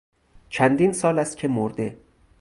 چندین سال است که مرده.